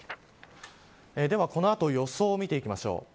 では、この後の予想を見ていきましょう。